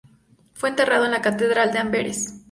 Fue enterrado en la catedral de Amberes.